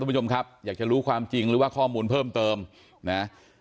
ผู้ชมครับอยากจะรู้ความจริงหรือว่าข้อมูลเพิ่มเติมนะ